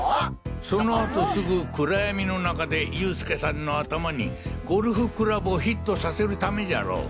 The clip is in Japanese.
その後すぐ暗闇の中で佑助さんの頭にゴルフクラブをヒットさせるためじゃろう。